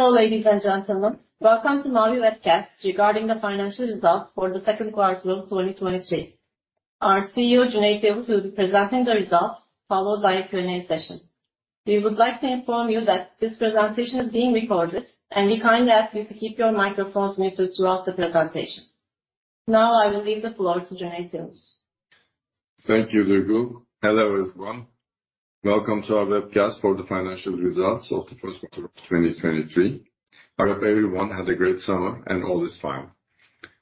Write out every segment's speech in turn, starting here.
Hello, ladies and gentlemen. Welcome to Mavi webcast, regarding the financial results for the second quarter of 2023. Our CEO, Cüneyt Yavuz, will be presenting the results, followed by a Q&A session. We would like to inform you that this presentation is being recorded, and we kindly ask you to keep your microphones muted throughout the presentation. Now, I will leave the floor to Cüneyt Yavuz. Thank you, Duygu. Hello, everyone. Welcome to our webcast for the financial results of the first quarter of 2023. I hope everyone had a great summer, and all is well.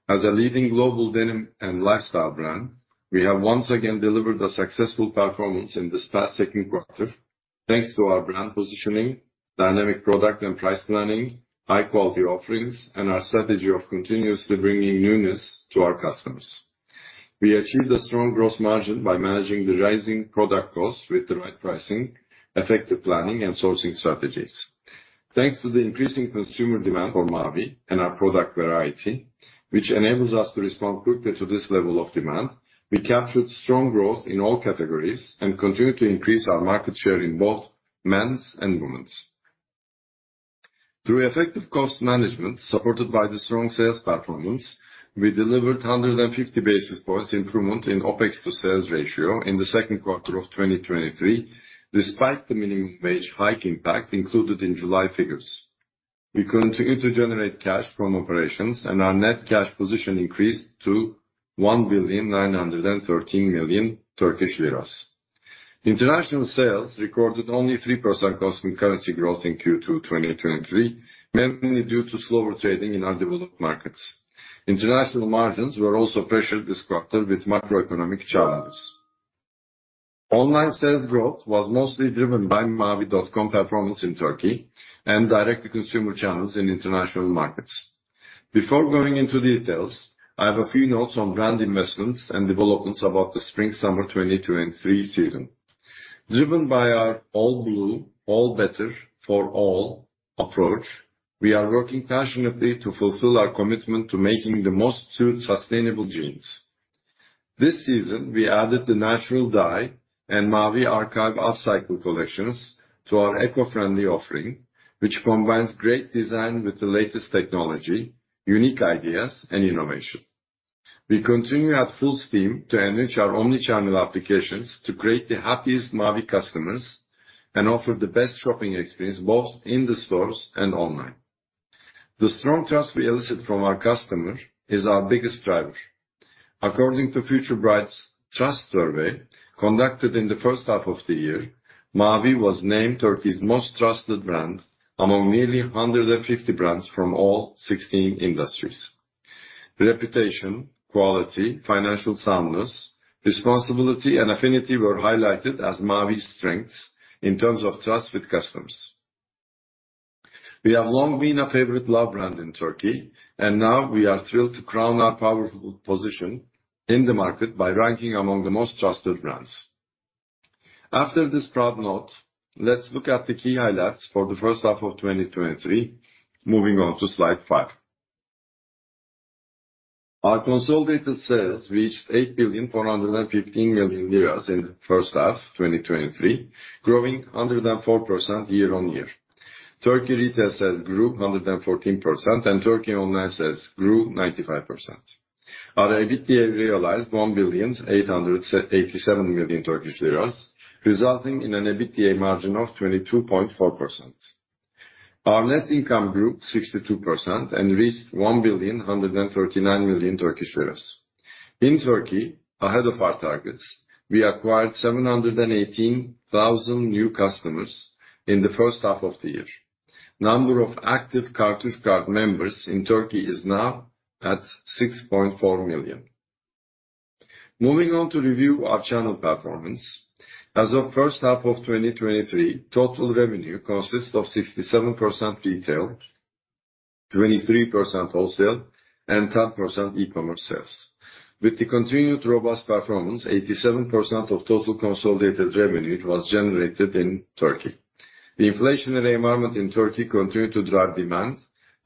As a leading global denim and lifestyle brand, we have once again delivered a successful performance in this past second quarter, thanks to our brand positioning, dynamic product and price planning, high quality offerings, and our strategy of continuously bringing newness to our customers. We achieved a strong growth margin by managing the rising product costs with the right pricing, effective planning, and sourcing strategies. Thanks to the increasing consumer demand for Mavi and our product variety, which enables us to respond quickly to this level of demand, we captured strong growth in all categories and continued to increase our market share in both men's and women's. Through effective cost management, supported by the strong sales performance, we delivered 150 basis points improvement in OpEx to sales ratio in the second quarter of 2023, despite the minimum wage hike impact included in July figures. We continued to generate cash from operations, and our net cash position increased to 1,913 million Turkish lira. International sales recorded only 3% constant currency growth in Q2 2023, mainly due to slower trading in our developed markets. International margins were also pressured this quarter with macroeconomic challenges. Online sales growth was mostly driven by mavi.com performance in Turkey and direct-to-consumer channels in international markets. Before going into details, I have a few notes on brand investments and developments about the Spring/Summer 2023 season. Driven by our All Blue, All Better for All approach, we are working passionately to fulfill our commitment to making the most sustainable jeans. This season, we added the Natural Dye and Mavi Archive Upcycled collections to our eco-friendly offering, which combines great design with the latest technology, unique ideas, and innovation. We continue at full steam to enrich our omni-channel applications, to create the happiest Mavi customers, and offer the best shopping experience, both in the stores and online. The strong trust we elicit from our customer is our biggest driver. According to FutureBright's trust survey, conducted in the first half of the year, Mavi was named Turkey's most trusted brand among nearly 150 brands from all 16 industries. Reputation, quality, financial soundness, responsibility, and affinity were highlighted as Mavi's strengths in terms of trust with customers. We have long been a favorite love brand in Turkey, and now we are thrilled to crown our powerful position in the market by ranking among the most trusted brands. After this proud note, let's look at the key highlights for the first half of 2023. Moving on to slide five. Our consolidated sales reached 8 billion 415 million in the first half, 2023, growing 104% year-over-year. Turkey retail sales grew 114%, and Turkey online sales grew 95%. Our EBITDA realized TRY 1 billion 887 million, resulting in an EBITDA margin of 22.4%. Our net income grew 62% and reached 1 billion Turkish lira 139 million. In Turkey, ahead of our targets, we acquired 718,000 new customers in the first half of the year. Number of active Kartuş card members in Turkey is now at 6.4 million. Moving on to review our channel performance. As of first half of 2023, total revenue consists of 67% retail, 23% wholesale, and 10% e-commerce sales. With the continued robust performance, 87% of total consolidated revenue was generated in Turkey. The inflationary environment in Turkey continued to drive demand,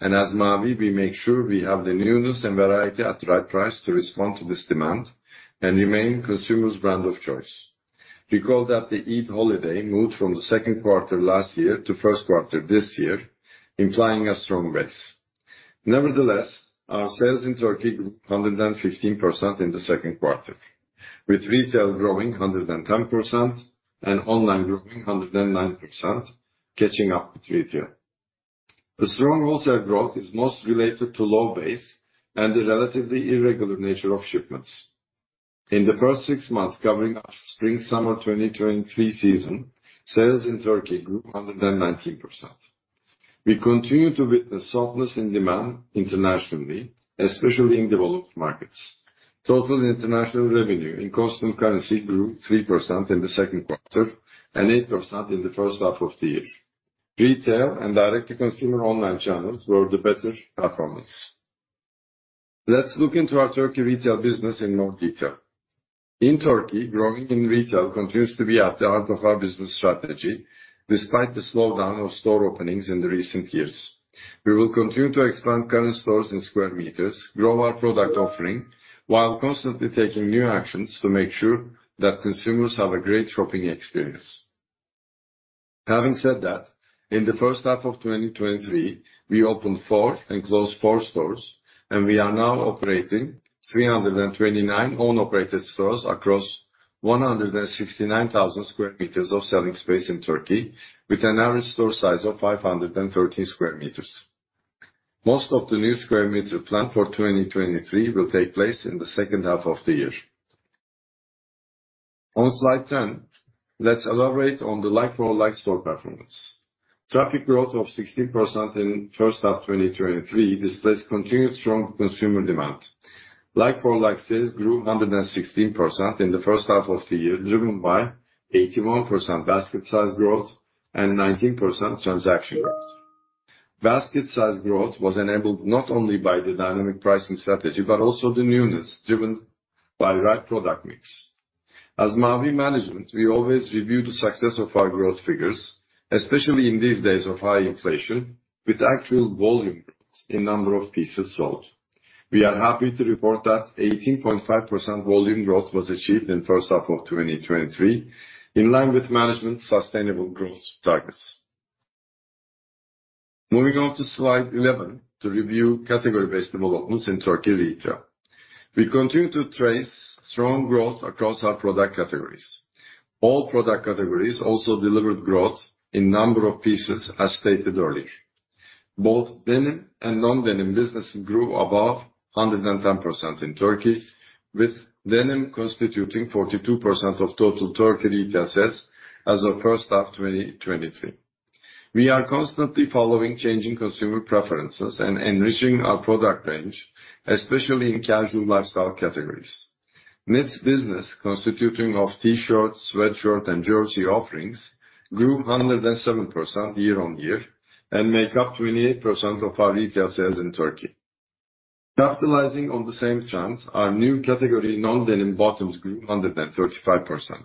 and as Mavi, we make sure we have the newness and variety at the right price to respond to this demand and remain consumers' brand of choice. We call that the Eid holiday, moved from the second quarter last year to first quarter this year, implying a strong base. Nevertheless, our sales in Turkey grew 115% in the second quarter, with retail growing 110% and online growing 109%, catching up with retail. The strong wholesale growth is most related to low base and the relatively irregular nature of shipments. In the first six months covering our Spring/Summer 2023 season, sales in Turkey grew 119%. We continue to witness softness in demand internationally, especially in developed markets. Total international revenue in constant currency grew 3% in the second quarter, and 8% in the first half of the year. Retail and direct-to-consumer online channels were the better performance. Let's look into our Turkey retail business in more detail. In Turkey, growing in retail continues to be at the heart of our business strategy, despite the slowdown of store openings in the recent years. We will continue to expand current stores in square meters, grow our product offering, while constantly taking new actions to make sure that consumers have a great shopping experience.... Having said that, in the first half of 2023, we opened 4 and closed 4 stores, and we are now operating 329 own operated stores across 169,000 square meters of selling space in Turkey, with an average store size of 513 square meters. Most of the new square meter plan for 2023 will take place in the second half of the year. On slide 10, let's elaborate on the like-for-like store performance. Traffic growth of 16% in first half 2023 displays continued strong consumer demand. Like-for-like sales grew 116% in the first half of the year, driven by 81% basket size growth and 19% transaction growth. Basket size growth was enabled not only by the dynamic pricing strategy, but also the newness, driven by right product mix. As Mavi management, we always review the success of our growth figures, especially in these days of high inflation, with actual volume growth in number of pieces sold. We are happy to report that 18.5% volume growth was achieved in first half of 2023, in line with management's sustainable growth targets. Moving on to slide 11 to review category-based developments in Turkey retail. We continue to trace strong growth across our product categories. All product categories also delivered growth in number of pieces, as stated earlier. Both denim and non-denim business grew above 110% in Turkey, with denim constituting 42% of total Turkey retail sales as of first half 2023. We are constantly following changing consumer preferences and enriching our product range, especially in casual lifestyle categories. Knits business, constituting of t-shirts, sweatshirt, and jersey offerings, grew 107% year-over-year and make up 28% of our retail sales in Turkey. Capitalizing on the same trend, our new category, non-denim bottoms, grew 135%,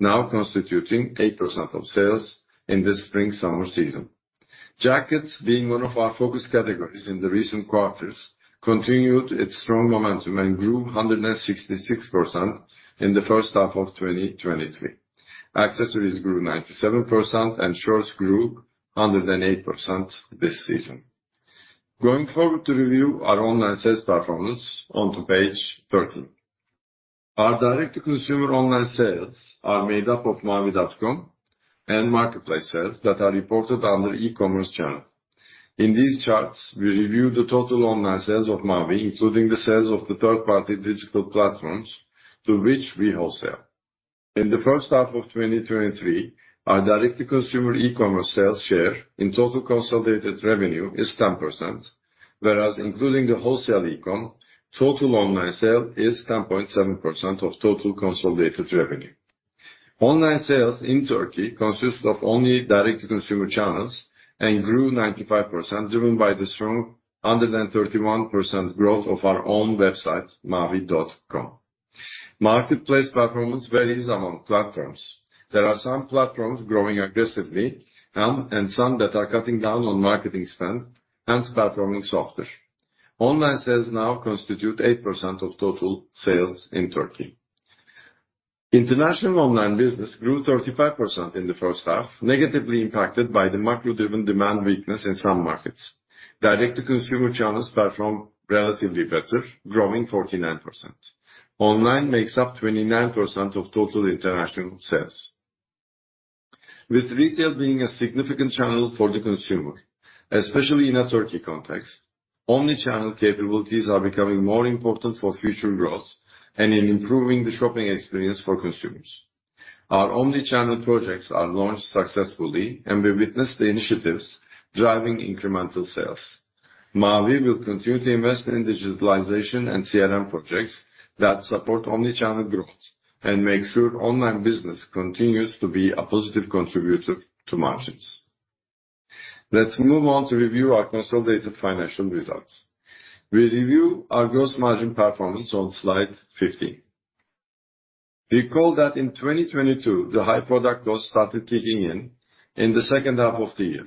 now constituting 8% of sales in the spring/summer season. Jackets, being one of our focus categories in the recent quarters, continued its strong momentum and grew 166% in the first half of 2023. Accessories grew 97%, and shorts grew 108% this season. Going forward to review our online sales performance on to page 13. Our direct-to-consumer online sales are made up of mavi.com and marketplace sales that are reported under e-commerce channel. In these charts, we review the total online sales of Mavi, including the sales of the third-party digital platforms to which we wholesale. In the first half of 2023, our direct-to-consumer e-commerce sales share in total consolidated revenue is 10%, whereas including the wholesale e-com, total online sale is 10.7% of total consolidated revenue. Online sales in Turkey consists of only direct-to-consumer channels and grew 95%, driven by the strong 131% growth of our own website, mavi.com. Marketplace performance varies among platforms. There are some platforms growing aggressively, and some that are cutting down on marketing spend, hence performing softer. Online sales now constitute 8% of total sales in Turkey. International online business grew 35% in the first half, negatively impacted by the macro-driven demand weakness in some markets. Direct-to-consumer channels perform relatively better, growing 49%. Online makes up 29% of total international sales. With retail being a significant channel for the consumer, especially in a Turkey context, omni-channel capabilities are becoming more important for future growth and in improving the shopping experience for consumers. Our omni-channel projects are launched successfully, and we witness the initiatives driving incremental sales. Mavi will continue to invest in digitalization and CRM projects that support omni-channel growth and make sure online business continues to be a positive contributor to margins. Let's move on to review our consolidated financial results. We review our gross margin performance on slide 15. Recall that in 2022, the high product cost started kicking in in the second half of the year.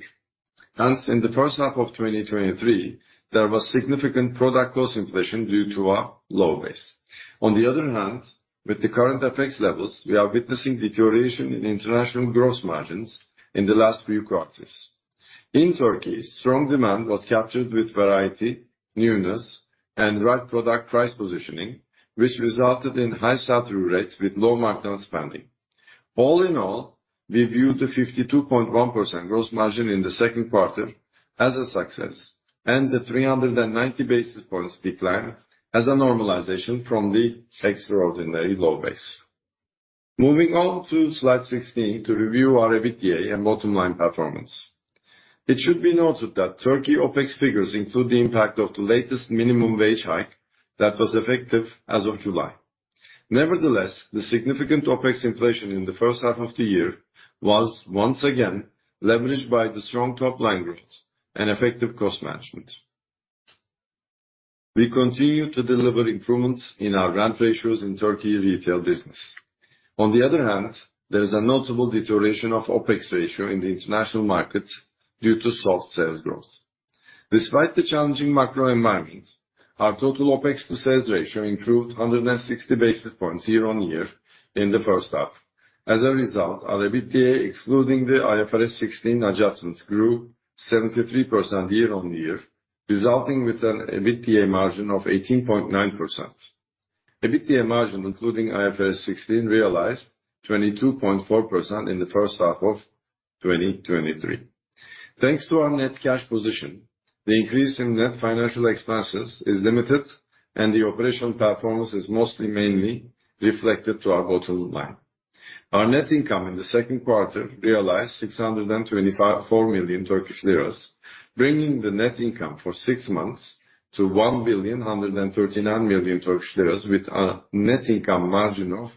Hence, in the first half of 2023, there was significant product cost inflation due to a low base. On the other hand, with the current FX levels, we are witnessing deterioration in international gross margins in the last few quarters. In Turkey, strong demand was captured with variety, newness, and right product price positioning, which resulted in high sell-through rates with low marketing spending. All in all, we view the 52.1% gross margin in the second quarter as a success, and the 300 basis points decline as a normalization from the extraordinary low base. Moving on to slide 16 to review our EBITDA and bottom line performance. It should be noted that Turkey OpEx figures include the impact of the latest minimum wage hike that was effective as of July. Nevertheless, the significant OpEx inflation in the first half of the year was once again leveraged by the strong top-line growth and effective cost management. We continue to deliver improvements in our rent ratios in Turkey retail business. On the other hand, there is a notable deterioration of OpEx ratio in the international markets due to soft sales growth. Despite the challenging macro environments, our total OpEx to sales ratio improved 160 basis points year-on-year in the first half. As a result, our EBITDA, excluding the IFRS 16 adjustments, grew 73% year-on-year, resulting with an EBITDA margin of 18.9%. EBITDA margin, including IFRS 16, realized 22.4% in the first half of 2023. Thanks to our net cash position, the increase in net financial expenses is limited, and the operational performance is mostly mainly reflected to our bottom line. Our net income in the second quarter realized 625.4 million Turkish lira, bringing the net income for six months to 1,139 million Turkish lira, with a net income margin of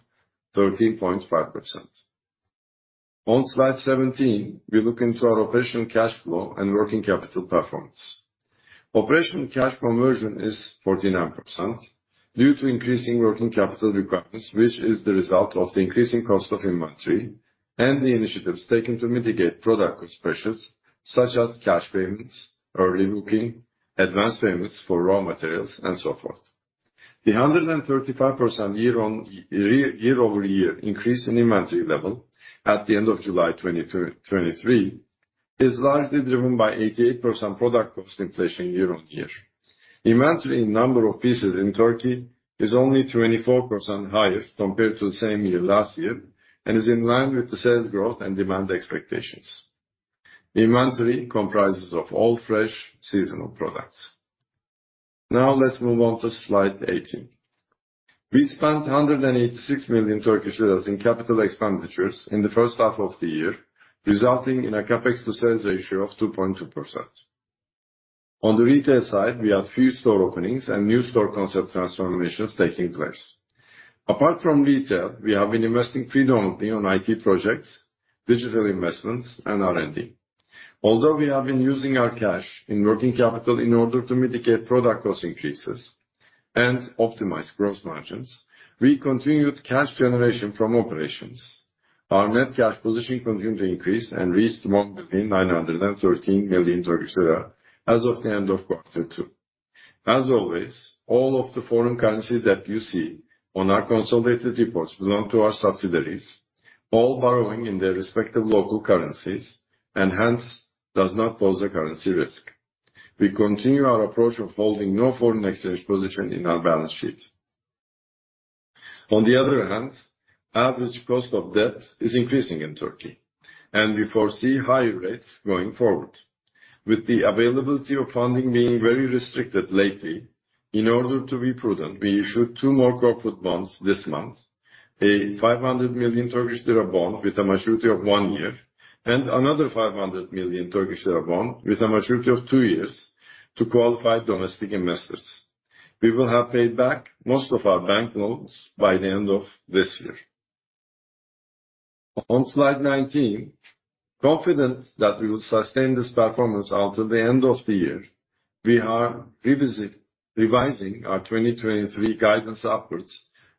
13.5%. On slide 17, we look into our operational cash flow and working capital performance. Operational cash conversion is 49%, due to increasing working capital requirements, which is the result of the increasing cost of inventory and the initiatives taken to mitigate product cost pressures, such as cash payments, early booking, advanced payments for raw materials, and so forth. The 135% year-on-year increase in inventory level at the end of July 2023 is largely driven by 88% product cost inflation year-on-year. Inventory in number of pieces in Turkey is only 24% higher compared to the same year last year, and is in line with the sales growth and demand expectations. Inventory comprises of all fresh, seasonal products. Now let's move on to slide 18. We spent 186 million in capital expenditures in the first half of the year, resulting in a CapEx to sales ratio of 2.2%. On the retail side, we had few store openings and new store concept transformations taking place. Apart from retail, we have been investing predominantly on IT projects, digital investments, and R&D. Although we have been using our cash in working capital in order to mitigate product cost increases and optimize gross margins, we continued cash generation from operations. Our net cash position continued to increase and reached 1,913 million Turkish lira as of the end of quarter two. As always, all of the foreign currency that you see on our consolidated reports belong to our subsidiaries, all borrowing in their respective local currencies, and hence, does not pose a currency risk. We continue our approach of holding no foreign exchange position in our balance sheet. On the other hand, average cost of debt is increasing in Turkey, and we foresee higher rates going forward. With the availability of funding being very restricted lately, in order to be prudent, we issued two more corporate bonds this month, a 500 million Turkish lira bond with a maturity of one year, and another 500 million Turkish lira bond with a maturity of two years to qualify domestic investors. We will have paid back most of our bank loans by the end of this year. On slide nineteen, confident that we will sustain this performance until the end of the year, we are revising our 2023 guidance upwards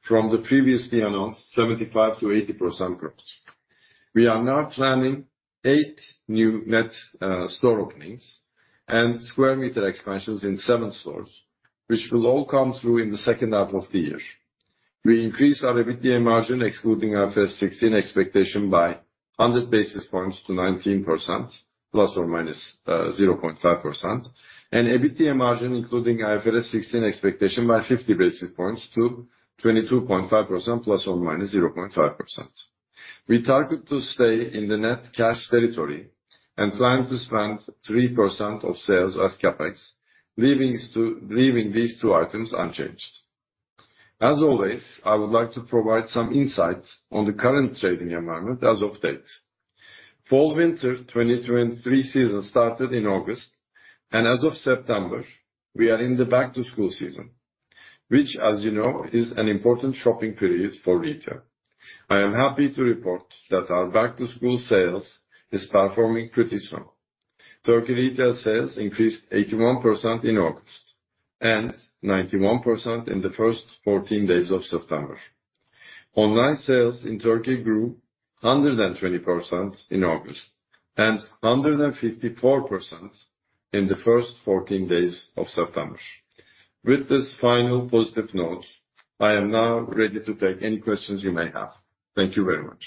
from the previously announced 75%-80% growth. We are now planning 8 new net store openings and square meter expansions in 7 stores, which will all come through in the second half of the year. We increase our EBITDA margin, excluding IFRS 16 expectation, by 100 basis points to 19%, plus or minus 0.5%, and EBITDA margin, including IFRS 16 expectation, by 50 basis points to 22.5%, plus or minus 0.5%. We target to stay in the net cash territory and plan to spend 3% of sales as CapEx, leaving these two items unchanged. As always, I would like to provide some insights on the current trading environment as of date. Fall/Winter 2023 season started in August, and as of September, we are in the Back-to-School season, which, as you know, is an important shopping period for retail. I am happy to report that our Back-to-School sales is performing pretty strong. Turkey retail sales increased 81% in August and 91% in the first 14 days of September. Online sales in Turkey grew 120% in August, and 154% in the first 14 days of September. With this final positive note, I am now ready to take any questions you may have. Thank you very much.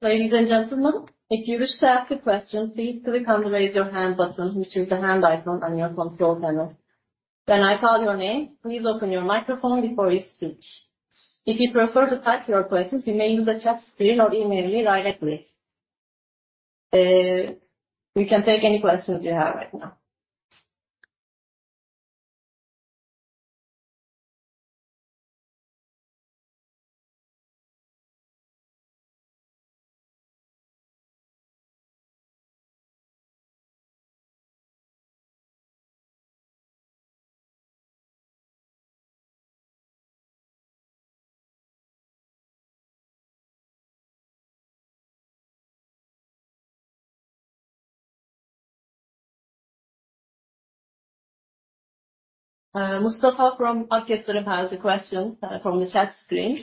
Ladies and gentlemen, if you wish to ask a question, please click on the Raise Your Hand button, which is the hand icon on your control panel. When I call your name, please open your microphone before you speak. If you prefer to type your questions, you may use the chat screen or email me directly. We can take any questions you have right now. Mustafa from Ak Yatırım has a question from the chat screen.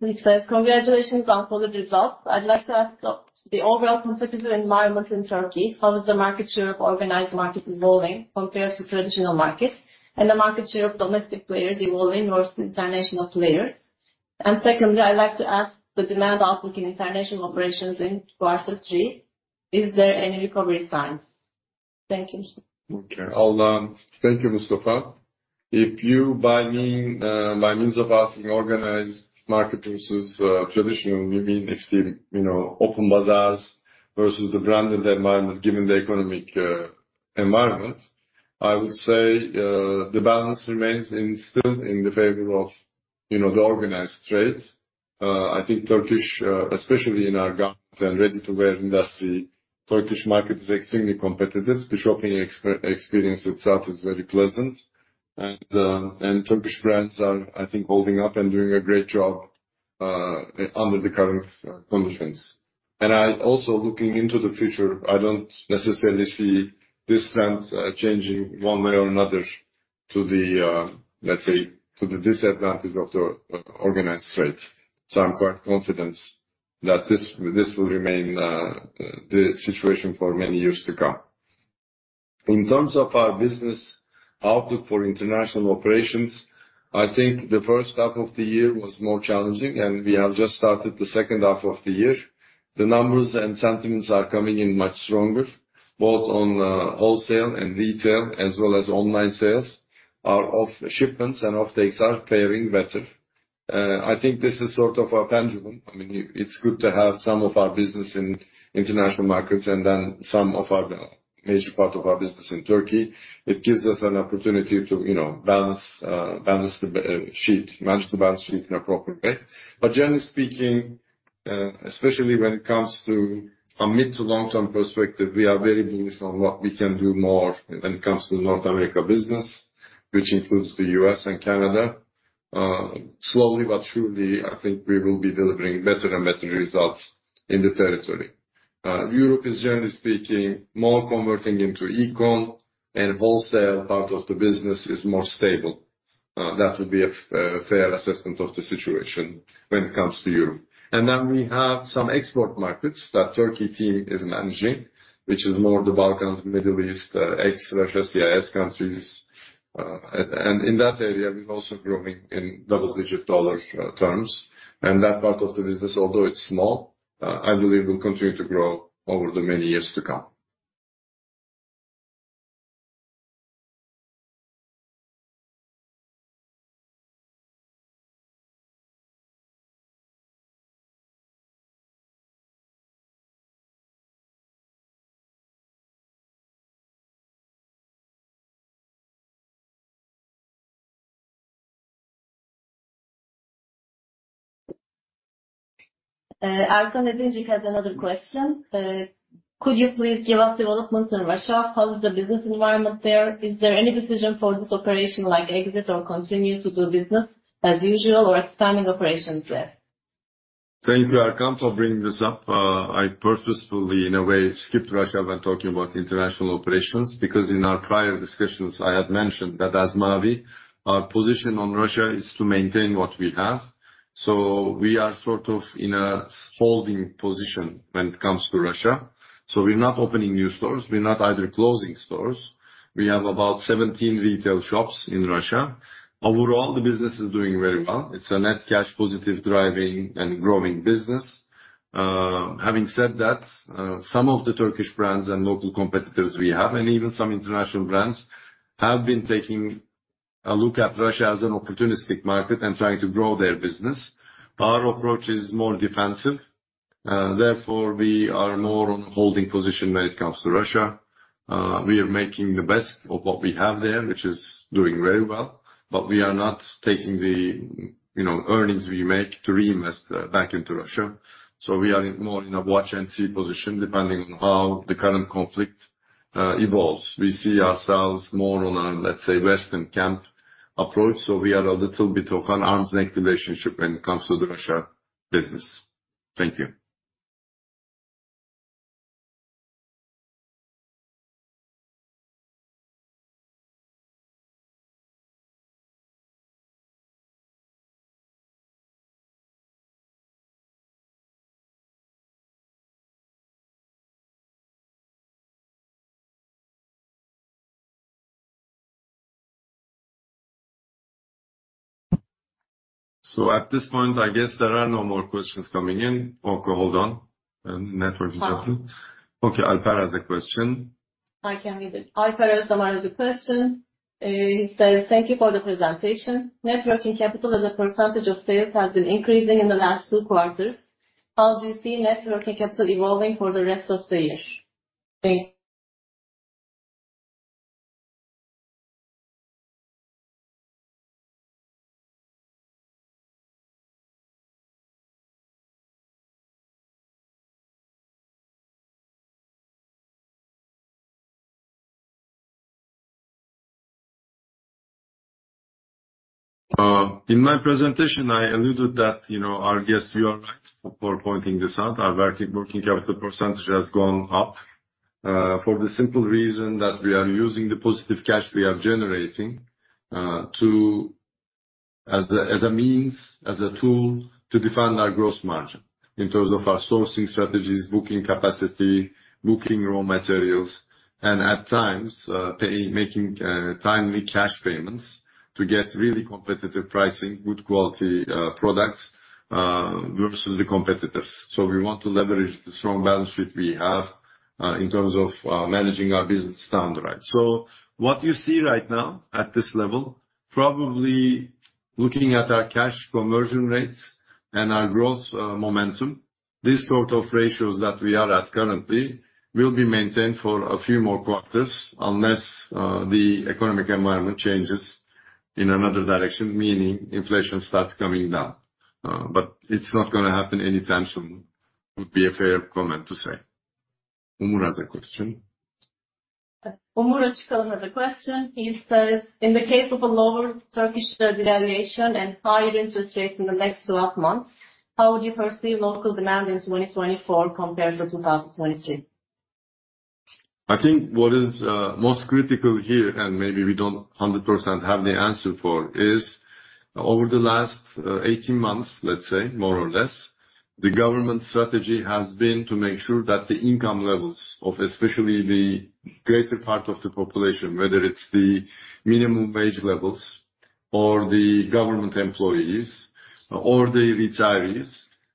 He says, "Congratulations on solid results. I'd like to ask about the overall competitive environment in Turkey. How is the market share of organized market evolving compared to traditional markets, and the market share of domestic players evolving versus international players? And secondly, I'd like to ask the demand outlook in international operations in quarter three. Is there any recovery signs? Thank you. Okay. I'll... Thank you, Mustafa. If you by mean, by means of asking organized market versus traditional, you mean extremely, you know, open bazaars versus the branded environment, given the economic environment, I would say the balance remains still in the favor of, you know, the organized trade. I think Turkish, especially in our garments and ready-to-wear industry, Turkish market is extremely competitive. The shopping experience itself is very pleasant, and, you know, Turkish brands are, I think, holding up and doing a great job under the current conditions. I also, looking into the future, I don't necessarily see this trend changing one way or another to the, let's say, to the disadvantage of the organized trade. I'm quite confident that this will remain the situation for many years to come. In terms of our business outlook for international operations, I think the first half of the year was more challenging, and we have just started the second half of the year. The numbers and sentiments are coming in much stronger, both on wholesale and retail, as well as online sales. Our offtake shipments and offtakes are faring better. I think this is sort of a pendulum. I mean, it's good to have some of our business in international markets and then some of our major part of our business in Turkey. It gives us an opportunity to, you know, balance the balance sheet, manage the balance sheet in an appropriate way. Generally speaking, especially when it comes to a mid to long-term perspective, we are very bullish on what we can do more when it comes to North America business, which includes the U.S. and Canada. Slowly but surely, I think we will be delivering better and better results in the territory. Europe is, generally speaking, more converting into e-com, and the wholesale part of the business is more stable. That would be a fair assessment of the situation when it comes to Europe. Then we have some export markets that the Turkey team is managing, which is more the Balkans, Middle East, ex-CIS countries. In that area, we're also growing in double-digit dollar terms. That part of the business, although it's small, I believe will continue to grow over the many years to come. Erkan Ayçiçek has another question. Could you please give us developments in Russia? How is the business environment there? Is there any decision for this operation, like exit or continue to do business as usual or expanding operations there? Thank you, Erkan, for bringing this up. I purposefully, in a way, skipped Russia when talking about international operations, because in our prior discussions, I had mentioned that as Mavi, our position on Russia is to maintain what we have. So we are sort of in a holding position when it comes to Russia. So we're not opening new stores. We're not either closing stores. We have about 17 retail shops in Russia. Overall, the business is doing very well. It's a net cash positive driving and growing business. Having said that, some of the Turkish brands and local competitors we have, and even some international brands, have been taking a look at Russia as an opportunistic market and trying to grow their business. Our approach is more defensive, therefore we are more on a holding position when it comes to Russia. We are making the best of what we have there, which is doing very well, but we are not taking the, you know, earnings we make to reinvest back into Russia. So we are in more in a watch and see position, depending on how the current conflict evolves. We see ourselves more on a, let's say, Western camp approach, so we are a little bit of an arm's-length relationship when it comes to the Russia business. Thank you. So at this point, I guess there are no more questions coming in. Okay, hold on. Network is happening. Okay, Alper has a question. I can read it. Alper Özdemir has a question. He says, "Thank you for the presentation. net working capital as a percentage of sales has been increasing in the last two quarters. How do you see net working capital evolving for the rest of the year? Thank you. In my presentation, I alluded that, you know, I guess you are right for pointing this out. Our working capital percentage has gone up, for the simple reason that we are using the positive cash we are generating, to as a means, as a tool to define our gross margin in terms of our sourcing strategies, booking capacity, booking raw materials, and at times, paying, making, timely cash payments to get really competitive pricing, good quality, products, versus the competitors. So we want to leverage the strong balance sheet we have, in terms of, managing our business down the road. So what you see right now at this level, probably looking at our cash conversion rates and our growth, momentum, these sort of ratios that we are at currently will be maintained for a few more quarters, unless, the economic environment changes in another direction, meaning inflation starts coming down. But it's not going to happen anytime soon, would be a fair comment to say. Umur has a question? Umur Özkul has a question. He says, "In the case of a lower Turkish devaluation and higher interest rates in the next 12 months, how would you perceive local demand in 2024 compared to 2023? I think what is most critical here, and maybe we don't 100% have the answer for, is over the last 18 months, let's say, more or less, the government strategy has been to make sure that the income levels of especially the greater part of the population, whether it's the minimum wage levels or the government employees or the retirees,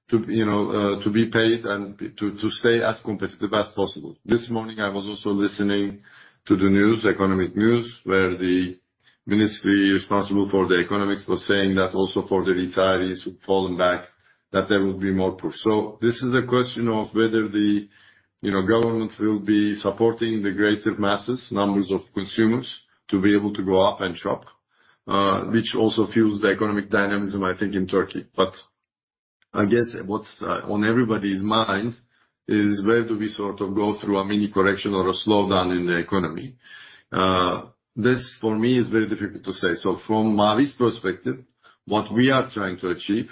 to, you know, to be paid and to, to stay as competitive as possible. This morning, I was also listening to the news, economic news, where the ministry responsible for the economics was saying that also for the retirees who've fallen back, that there will be more push. So this is a question of whether the, you know, government will be supporting the greater masses, numbers of consumers, to be able to go out and shop, which also fuels the economic dynamism, I think, in Turkey. But I guess what's on everybody's mind is where do we sort of go through a mini correction or a slowdown in the economy? This, for me, is very difficult to say. So from Mavi's perspective, what we are trying to achieve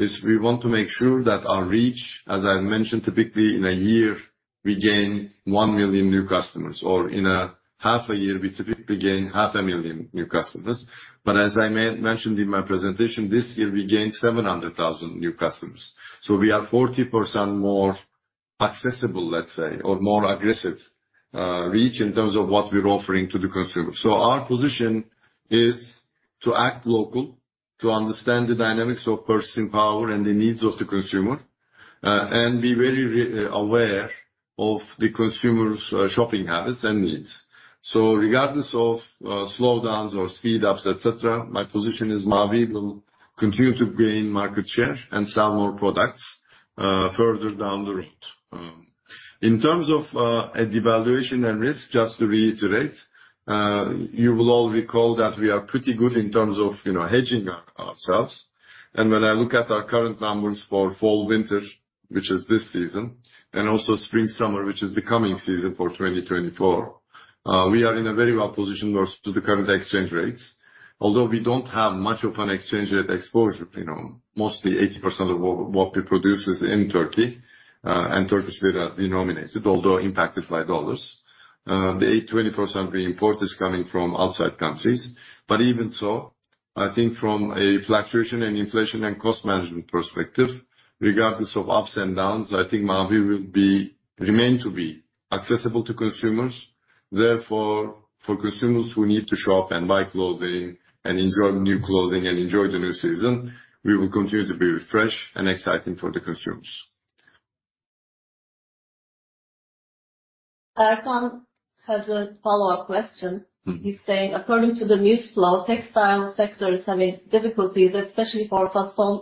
is we want to make sure that our reach, as I mentioned, typically in a year, we gain 1 million new customers, or in a half a year, we typically gain 500,000 new customers. But as I mentioned in my presentation, this year, we gained 700,000 new customers. So we are 40% more accessible, let's say, or more aggressive reach in terms of what we're offering to the consumer. So our position is to act local, to understand the dynamics of purchasing power and the needs of the consumer, and be very aware of the consumer's shopping habits and needs. So regardless of slowdowns or speed ups, et cetera, my position is Mavi will continue to gain market share and sell more products further down the road. In terms of a devaluation and risk, just to reiterate, you will all recall that we are pretty good in terms of, you know, hedging ourselves. When I look at our current numbers for Fall/Winter, which is this season, and also spring/summer, which is the coming season for 2024, we are in a very well position versus to the current exchange rates. Although we don't have much of an exchange rate exposure, you know, mostly 80% of what, what we produce is in Turkey, and Turkish lira denominates it, although impacted by dollars. The 20% we import is coming from outside countries. Even so, I think from a fluctuation and inflation and cost management perspective, regardless of ups and downs, I think Mavi will remain to be accessible to consumers. Therefore, for consumers who need to shop and buy clothing and enjoy new clothing and enjoy the new season, we will continue to be fresh and exciting for the consumers. Erkan has a follow-up question. Mm-hmm. He's saying, "According to the news flow, textile sector is having difficulties, especially for some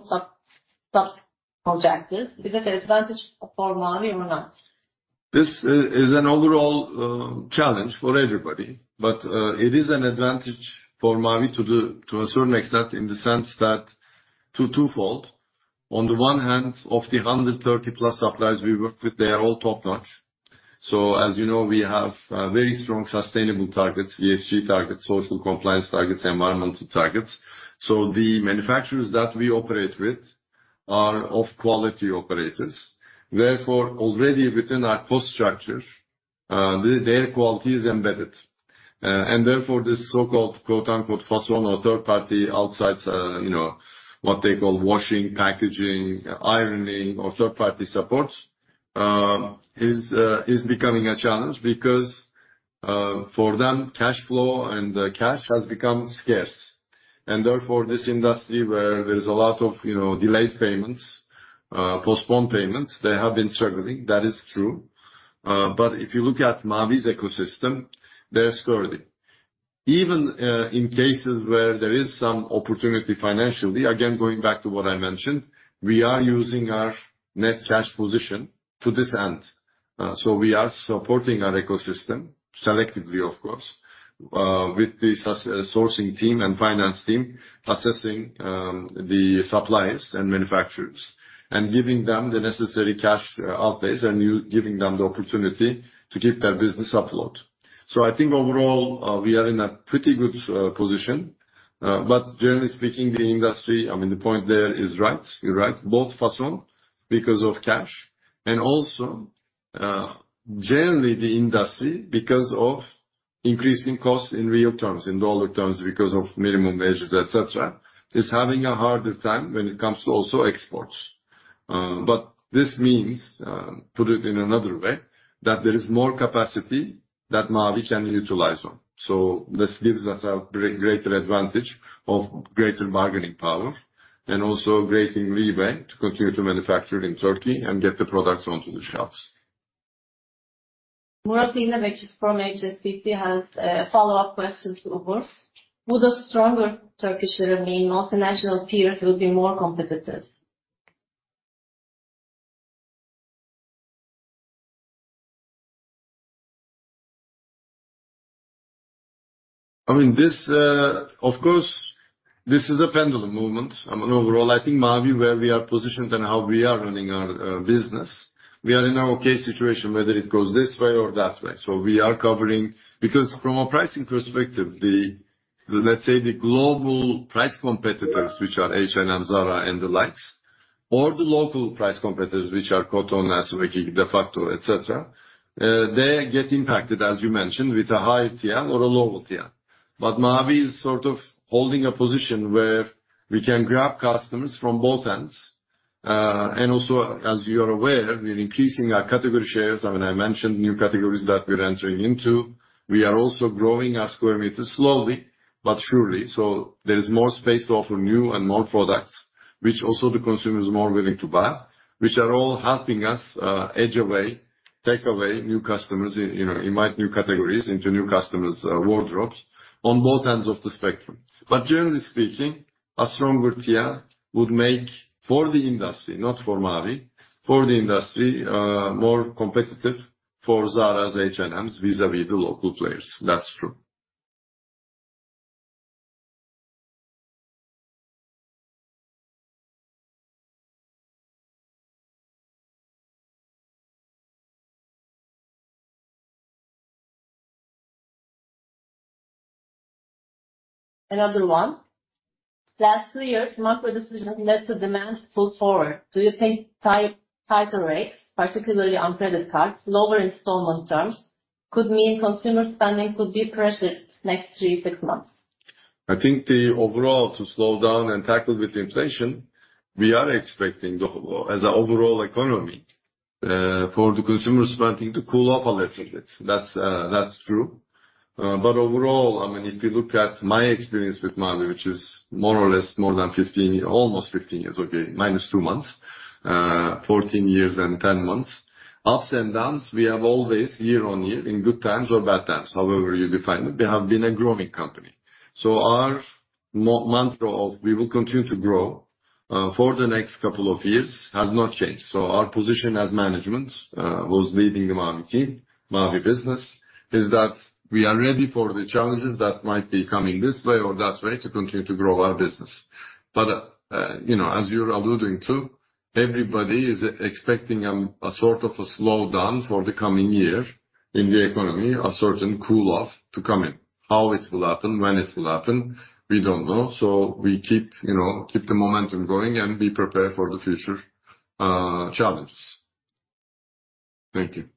sub-sectors. Is it an advantage for Mavi or not? This is an overall challenge for everybody, but it is an advantage for Mavi to a certain extent, in the sense that twofold. On the one hand, of the 130-plus suppliers we work with, they are all top-notch. So as you know, we have very strong sustainable targets, ESG targets, social compliance targets, environmental targets. So the manufacturers that we operate with are of quality operators. Therefore, already within our cost structure, their quality is embedded. And therefore, this so-called, quote, unquote, first one or third party outside, you know, what they call washing, packaging, ironing or third-party support, is becoming a challenge because for them, cash flow and cash has become scarce. And therefore, this industry where there is a lot of, you know, delayed payments, postponed payments, they have been struggling. That is true. But if you look at Mavi's ecosystem, they're sturdy. Even in cases where there is some opportunity financially, again, going back to what I mentioned, we are using our net cash position to this end. So we are supporting our ecosystem selectively, of course, with the sourcing team and finance team, assessing the suppliers and manufacturers, and giving them the necessary cash outlays, and you giving them the opportunity to keep their business afloat. So I think overall, we are in a pretty good position. But generally speaking, the industry, I mean, the point there is right, you're right. Both DeFacto, because of cash, and also, generally the industry, because of increasing costs in real terms, in dollar terms, because of minimum wages, et cetera, is having a harder time when it comes to also exports. But this means, put it in another way, that there is more capacity that Mavi can utilize on. So this gives us a greater advantage of greater bargaining power, and also a great leeway to continue to manufacture in Turkey and get the products onto the shelves. Murat İğnebekçili, which is from HSBC, has a follow-up question to Umur. Would a stronger Turkish lira mean multinational peers will be more competitive? I mean, this, of course, this is a pendulum movement. I mean, overall, I think Mavi, where we are positioned and how we are running our business, we are in an okay situation, whether it goes this way or that way. So we are covering... Because from a pricing perspective, the, let's say, the global price competitors, which are H&M, Zara, and the likes, or the local price competitors, which are Koton, LC Waikiki, DeFacto, et cetera, they get impacted, as you mentioned, with a high tier or a lower tier. But Mavi is sort of holding a position where we can grab customers from both ends. And also, as you are aware, we're increasing our category shares. I mean, I mentioned new categories that we're entering into. We are also growing our square meters slowly but surely, so there is more space to offer new and more products, which also the consumer is more willing to buy, which are all helping us, edge away, take away new customers, you know, invite new categories into new customers', wardrobes on both ends of the spectrum. But generally speaking, a stronger tier would make for the industry, not for Mavi, for the industry, more competitive for Zara's, H&M's, vis-à-vis the local players. That's true. Another one. Last 2 years, macro decision led to demand pull forward. Do you think high, higher rates, particularly on credit cards, lower installment terms, could mean consumer spending could be pressured next 3, 6 months? I think the overall, to slow down and tackle with inflation, we are expecting, as an overall economy, for the consumer spending to cool off a little bit. That's true. But overall, I mean, if you look at my experience with Mavi, which is more or less more than 15 years, almost 15 years, okay, minus two months, 14 years and 10 months, ups and downs, we have always year-on-year, in good times or bad times, however you define it, we have been a growing company. So our mantra of we will continue to grow, for the next couple of years, has not changed. So our position as management, who's leading the Mavi team, Mavi business, is that we are ready for the challenges that might be coming this way or that way, to continue to grow our business. You know, as you're alluding to, everybody is expecting a sort of a slowdown for the coming year in the economy, a certain cool off to come in. How it will happen, when it will happen, we don't know, so we keep, you know, keep the momentum going and be prepared for the future, challenges. Thank you.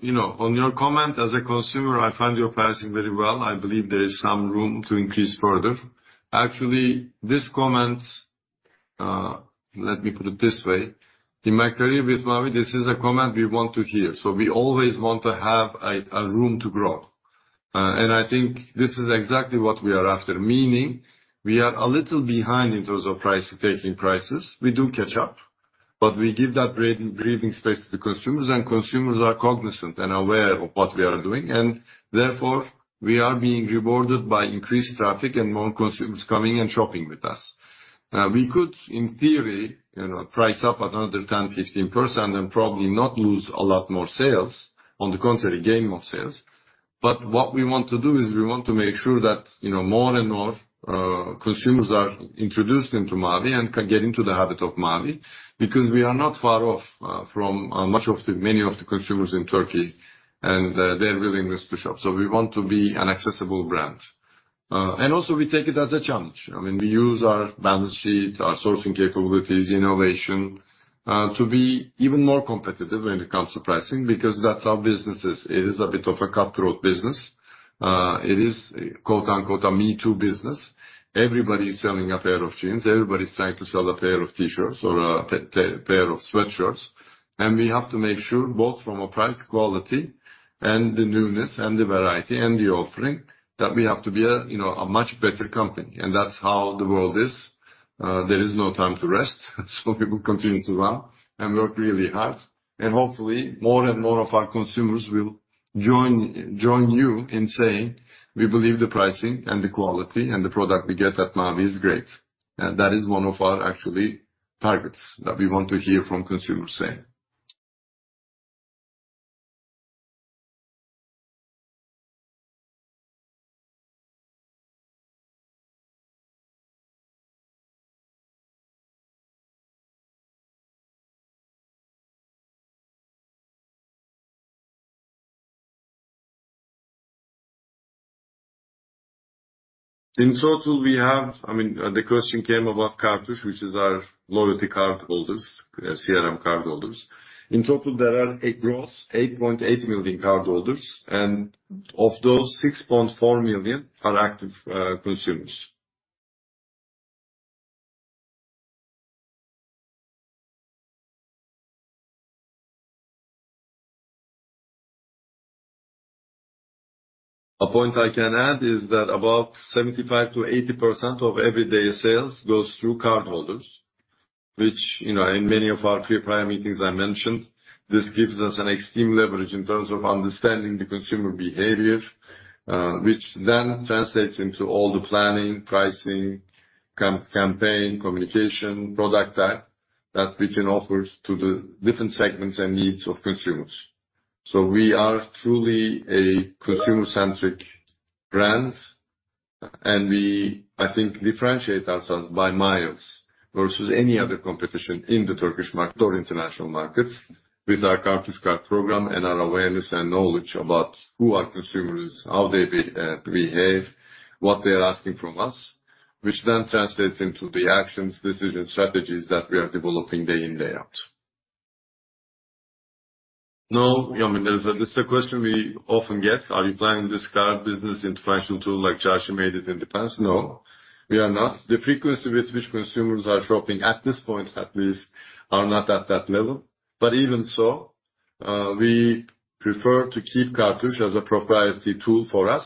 You know, on your comment as a consumer, I find your pricing very well. I believe there is some room to increase further. Actually, this comment, let me put it this way: in my career with Mavi, this is a comment we want to hear. We always want to have a room to grow, and I think this is exactly what we are after. Meaning, we are a little behind in terms of price, taking prices. We do catch up, but we give that breathing, breathing space to the consumers, and consumers are cognizant and aware of what we are doing, and therefore, we are being rewarded by increased traffic and more consumers coming and shopping with us. We could, in theory, you know, price up another 10%-15% and probably not lose a lot more sales. On the contrary, gain more sales. But what we want to do is, we want to make sure that, you know, more and more, consumers are introduced into Mavi and can get into the habit of Mavi, because we are not far off from many of the consumers in Turkey, and they're willing to shop. So we want to be an accessible brand. And also we take it as a challenge. I mean, we use our balance sheet, our sourcing capabilities, innovation, to be even more competitive when it comes to pricing, because that's how business is. It is a bit of a cutthroat business. It is quote-unquote, "a me-too business." Everybody is selling a pair of jeans, everybody is trying to sell a pair of t-shirts or a pair of sweatshirts, and we have to make sure, both from a price, quality, and the newness, and the variety, and the offering, that we have to be a, you know, a much better company. And that's how the world is. There is no time to rest, so people continue to run and work really hard, and hopefully, more and more of our consumers will join you in saying we believe the pricing and the quality, and the product we get at Mavi is great. That is one of our actually targets, that we want to hear from consumers saying. In total, we have... I mean, the question came about Kartuş, which is our loyalty cardholders, CRM cardholders. In total, there are 8.8 million cardholders, and of those, 6.4 million are active consumers. A point I can add is that about 75%-80% of everyday sales goes through cardholders, which, you know, in many of our pre-prior meetings, I mentioned, this gives us an extreme leverage in terms of understanding the consumer behavior, which then translates into all the planning, pricing, campaign, communication, product type, that we can offer to the different segments and needs of consumers. We are truly a consumer-centric brand, and we, I think, differentiate ourselves by miles versus any other competition in the Turkish market or international markets, with our Kartuş card program and our awareness and knowledge about who our consumers are, how they behave, what they are asking from us, which then translates into the actions, decisions, strategies that we are developing day in, day out. I mean, there's a—this is a question we often get: Are you planning this card business into a fashion tool like Josh made it in the past? No, we are not. The frequency with which consumers are shopping at this point, at least, is not at that level. But even so, we prefer to keep Kartuş as a proprietary tool for us,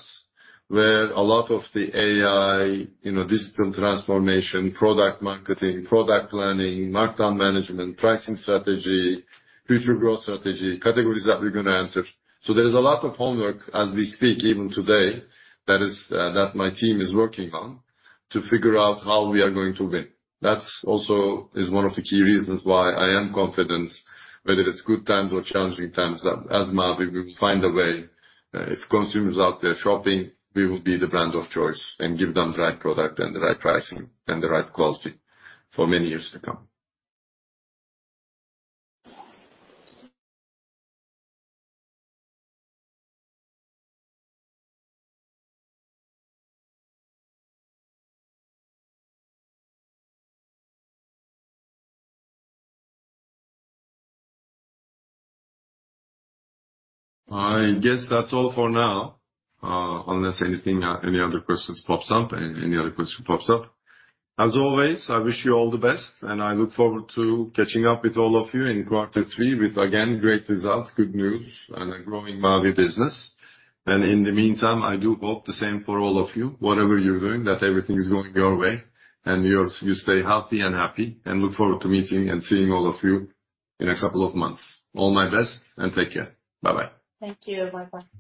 where a lot of the AI, you know, digital transformation, product marketing, product planning, markdown management, pricing strategy, future growth strategy, categories that we're going to enter. So there is a lot of homework as we speak, even today, that is, that my team is working on to figure out how we are going to win. That's also is one of the key reasons why I am confident, whether it's good times or challenging times, that as Mavi, we will find a way. If consumers out there shopping, we will be the brand of choice and give them the right product and the right pricing and the right quality for many years to come. I guess that's all for now, unless anything, any other questions pops up, any other question pops up. As always, I wish you all the best, and I look forward to catching up with all of you in quarter three, with again, great results, good news, and a growing Mavi business. And in the meantime, I do hope the same for all of you. Whatever you're doing, that everything is going your way, and you stay healthy and happy. And look forward to meeting and seeing all of you in a couple of months. All my best, and take care. Bye-bye. Thank you. Bye-bye.